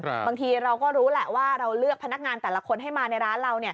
บางทีเราก็รู้แหละว่าเราเลือกพนักงานแต่ละคนให้มาในร้านเราเนี่ย